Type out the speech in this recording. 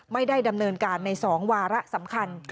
ไม่ได้ดำเนินการใน๒วาระสำคัญ